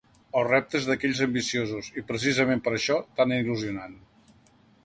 El repte és d’aquells ambiciosos, i precisament per això tant il·lusionant.